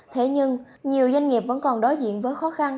thế nhưng nhiều doanh nghiệp vẫn còn đối diện với doanh nghiệp này